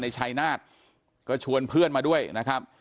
ชายนาฏก็ชวนเพื่อนมาด้วยนะครับ